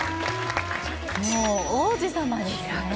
もう王子様ですね